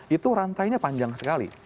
itu rantainya panjang sekali